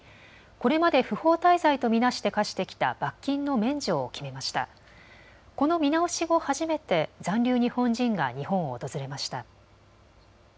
この見直し後、初めて残留日本人が日本を訪れました。